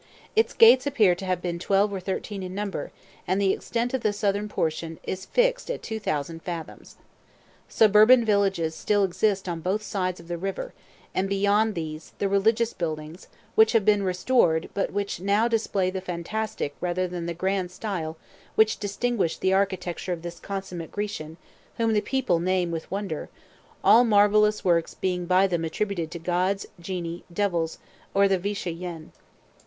Its gates appear to have been twelve or thirteen in number, and the extent of the southern portion is fixed at two thousand fathoms. Suburban villages still exist on both sides of the river, and, beyond these, the religious buildings, which have been restored, but which now display the fantastic rather than the grand style which distinguished the architecture of this consummate Grecian, whom the people name with wonder, all marvellous works being by them attributed to gods, genii, devils, or the "Vicha yen."